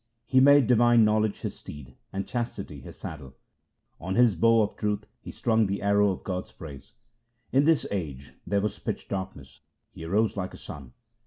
He made divine knowledge his steed and chastity his saddle; On his bow of truth he strung the arrow of God's praise. In this age there was pitch darkness ; he arose like a sun.